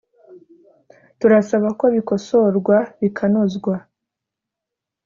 turasaba ko bikosorwa bikanozwa